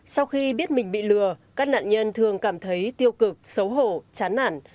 sau khi biết mình bị lừa các nạn nhân thường cảm thấy tiêu cực xấu hổ chán nản